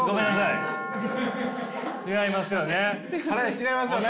違いますよね。